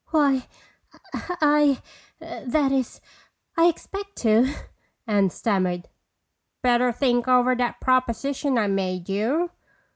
"Why,—I—that is, I expect to," Anne stammered. "Better think over that proposition I made you.